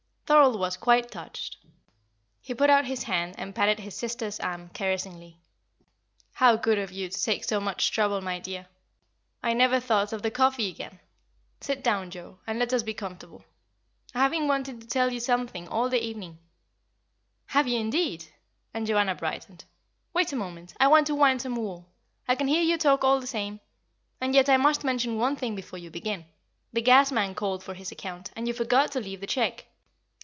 Thorold was quite touched; he put out his hand and patted his sister's arm caressingly. "How good of you to take so much trouble, my dear! I never thought of the coffee again. Sit down, Joa, and let us be comfortable. I have been wanting to tell you something all the evening." "Have you, indeed?" and Joanna brightened. "Wait a moment. I want to wind some wool. I can hear you talk all the same. And yet I must mention one thing before you begin. The gas man called for his account, and you forgot to leave the cheque.''